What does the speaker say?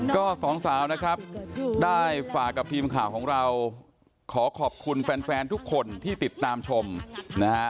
ก็สองสาวนะครับได้ฝากกับทีมข่าวของเราขอขอบคุณแฟนทุกคนที่ติดตามชมนะฮะ